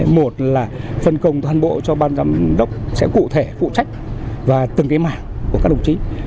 một là phân công toàn bộ cho ban giám đốc sẽ cụ thể phụ trách và từng cái mảng của các đồng chí